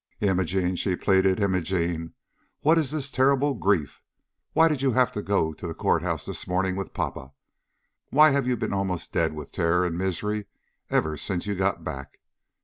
"Imogene," she pleaded, "Imogene, what is this terrible grief? Why did you have to go to the court house this morning with papa, and why have you been almost dead with terror and misery ever since you got back?